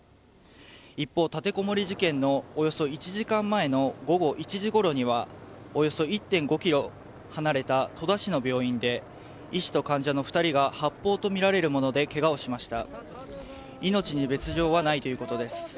一方、立てこもり事件のおよそ１時間前の午後１時ごろにはおよそ１．５キロ離れた戸田市の病院で医師と患者の２人が発砲とみられるものでけがをしました。